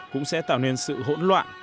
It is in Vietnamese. cũng sẽ tạo nên sự hỗn loạn